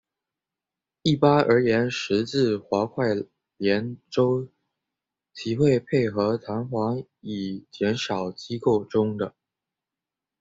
一般而言十字滑块联轴器会配合弹簧以减少机构中的。